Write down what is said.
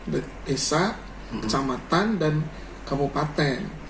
di desa kecamatan dan kabupaten